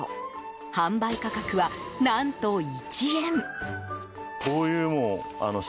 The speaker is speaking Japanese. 販売価格は、何と１円！